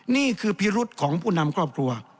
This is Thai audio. นี่คือพิรุษของผู้นำครอบครัว